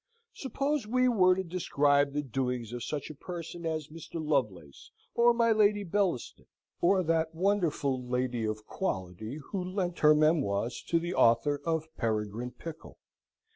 Suppose we were to describe the doings of such a person as Mr. Lovelace or my Lady Bellaston, or that wonderful "Lady of Quality" who lent her memoirs to the author of Peregrine Pickle.